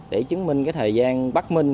để chứng minh thời gian bắt minh